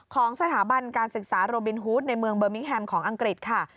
ของสถาบันการศึกษาโรบินฮูตในเมืองเบอร์มิกแฮมของอังกฤษค่ะ